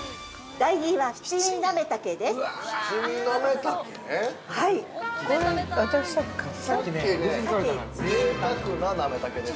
◆第２位は「七味なめ茸」です。